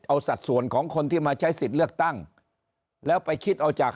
เอาสัดส่วนของคนที่มาใช้สิทธิ์เลือกตั้งแล้วไปคิดเอาจาก